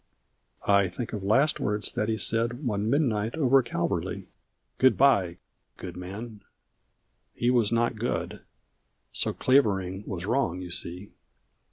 151] I think of last words that he said One midnight over Calverly: "Grood by — good man/' He was not good; So Clavering was wrong, you see.